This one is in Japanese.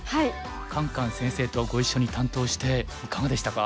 カンカン先生とご一緒に担当していかがでしたか？